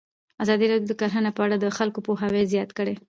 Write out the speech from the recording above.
ازادي راډیو د کرهنه په اړه د خلکو پوهاوی زیات کړی.